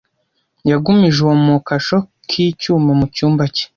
yagumije uwo mu kasho k'icyuma mu cyumba cye